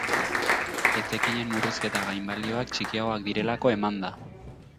Etekinen murrizketa gainbalioak txikiagoak direlako eman da.